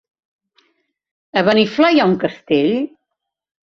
A Beniflà hi ha un castell?